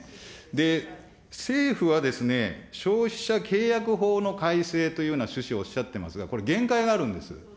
で、政府は消費者契約法の改正というような趣旨をおっしゃってますが、これ、限界があるんです。